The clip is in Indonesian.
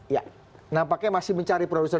ya nampaknya masih mencari produser